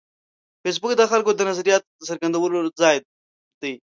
فېسبوک د خلکو د نظریاتو د څرګندولو ځای دی